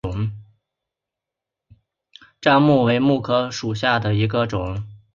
粘蓼为蓼科蓼属下的一个种。